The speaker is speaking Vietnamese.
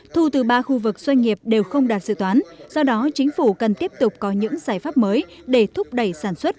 thu từ ba khu vực doanh nghiệp đều không đạt dự toán do đó chính phủ cần tiếp tục có những giải pháp mới để thúc đẩy sản xuất